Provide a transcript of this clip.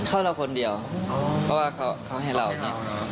เขาเล่าคนเดียวเพราะว่าเขาให้เราเนี่ย